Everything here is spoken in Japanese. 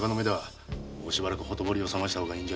しばらくほとぼりを冷ました方がいいんじゃねえですかい？